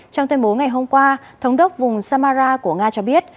trong tuyên bố ngày hôm qua thống đốc vùng samara của nga cho biết